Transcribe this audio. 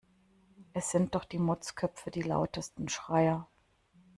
Es sind doch die Motzköpfe die lautesten Schreier.